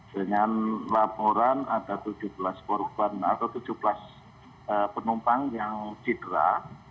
dengan laporan ada tujuh belas korban atau tujuh belas penumpang yang cedera